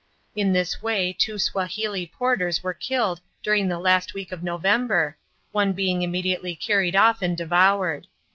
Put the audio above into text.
In this way two Swahili porters were killed during the last week of November, one being immediately carried off and devoured.